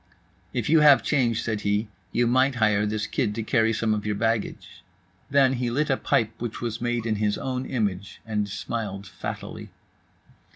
"If you have change," said he, "you might hire this kid to carry some of your baggage." Then he lit a pipe which was made in his own image, and smiled fattily.